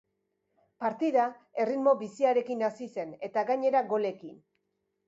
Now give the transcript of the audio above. Partida erritmo biziarekin hasi zen eta gainera golekin.